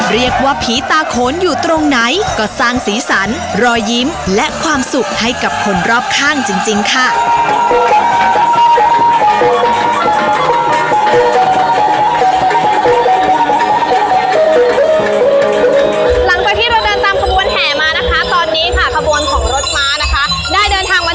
เรียกว่าผีตาโขนอยู่ตรงไหนก็สร้างสีสันรอยยิ้มและความสุขให้กับคนรอบข้างจริงค่ะ